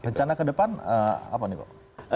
rencana ke depan apa nih pak